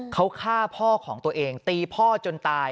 เขาฆ่าพ่อของตัวเองตีพ่อจนตาย